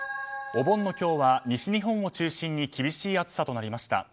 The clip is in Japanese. お盆の今日は西日本を中心に厳しい暑さとなりました。